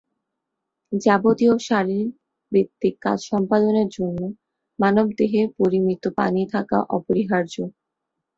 যাবতীয় শারীরবৃত্তিক কাজ সম্পাদনের জন্য মানবদেহে পরিমিত পানি থাকা অপরিহার্য।